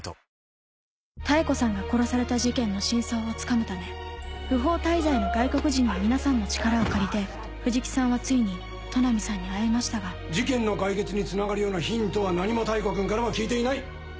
妙子さんが殺された事件の真相をつかむため不法滞在の外国人の皆さんの力を借りて藤木さんはついに都波さんに会えましたが事件の解決につながるようなヒントは何も妙子君からは聞いていない！